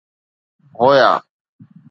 هوپا